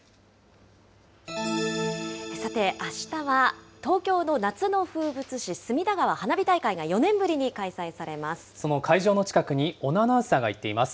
さて、あしたは東京の夏の風物詩、隅田川花火大会が４年ぶりその会場の近くに小野アナウンサーが行っています。